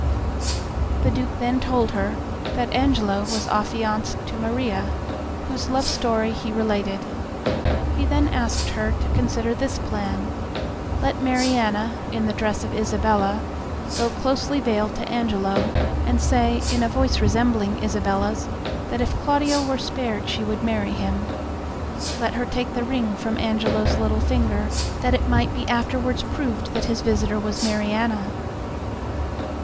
The Duke then told her that Angelo was affianced to Mariana, whose love story he related. He then asked her to consider this plan. Let Mariana, in the dress of Isabella, go closely veiled to Angelo, and say, in a voice resembling Isabella's, that if Claudio were spared she would marry him. Let her take the ring from Angelo's little finger, that it might be afterwards proved that his visitor was Mariana.